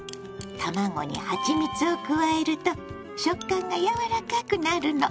卵にはちみつを加えると食感がやわらかくなるの。